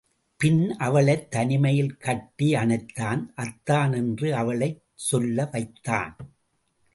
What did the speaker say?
பின் அவளைத் தனிமையில் கட்டி அணைத்தான், அத்தான் என்று அவளைச் சொல்ல வைத்தான்.